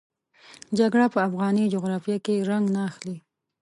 جګړه په افغاني جغرافیه کې رنګ نه اخلي.